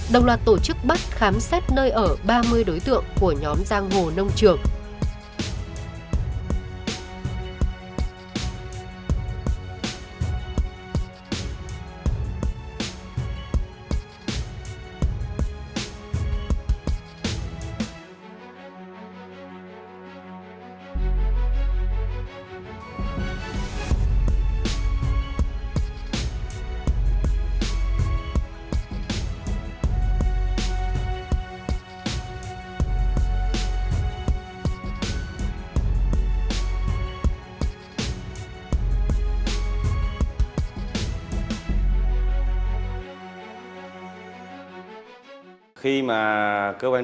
đồng loạt tổ chức bắt khám xét nơi ở ba mươi đối tượng của nhóm giang hồ nông trường